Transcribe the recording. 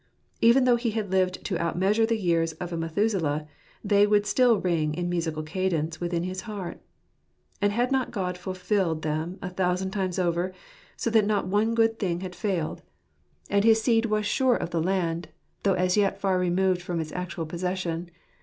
Even though he had lived to out measure the years of a Methuselah, they would still ring in musical cadence within his heart. And had not God fulfilled them a thousand times over, so that not one good thing had failed ?— and 149 (Ephraim anh ^lanaasrh. his seed was sure of the land, though as yet far removed from its actual possession.